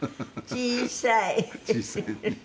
小さい。